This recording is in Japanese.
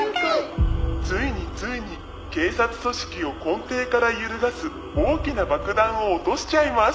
「ついについに警察組織を根底から揺るがす大きな爆弾を落としちゃいます」